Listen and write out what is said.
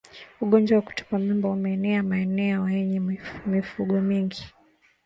Ugonjwa wa kutupa mimba umeenea maeneo yenye mifugomingi